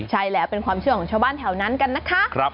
ใช่แล้วเป็นความเชื่อของชาวบ้านแถวนั้นกันนะคะ